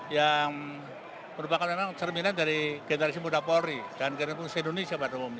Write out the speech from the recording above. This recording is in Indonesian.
yang merupakan memang cerminan dari generasi muda polri dan generasi indonesia pada umumnya